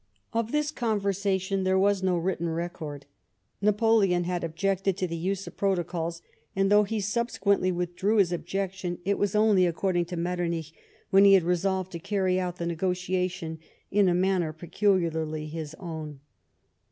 Of this conversation there was no written record. Napoleon had objected to the use of protocols, and though he subsequently withdrew his objection, it was only, according to IMetternich, when he had resolved to carry out the negotiation in a manner peculiarly his own.